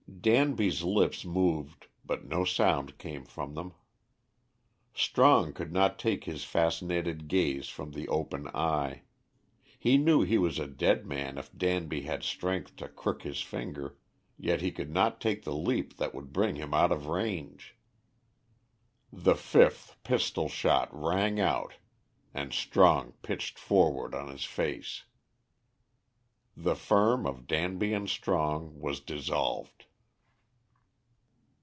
Danby's lips moved but no sound came from them. Strong could not take his fascinated gaze from the open eye. He knew he was a dead man if Danby had strength to crook his finger, yet he could not take the leap that would bring him out of range. The fifth pistol shot rang out and Strong pitched forward on his face. The firm of Danby and Strong was dissolved.